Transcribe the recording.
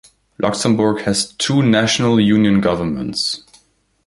Luxembourg has had two "National Union Governments".